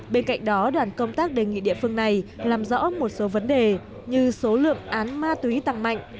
bên cạnh đó đoàn công tác đề nghị địa phương này làm rõ một số vấn đề như số lượng án ma túy tăng mạnh